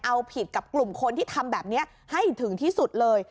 เอาผิดกับกลุ่มคนที่ทำแบบนี้ให้ถึงที่สุดเลย